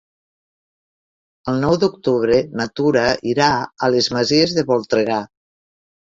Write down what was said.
El nou d'octubre na Tura irà a les Masies de Voltregà.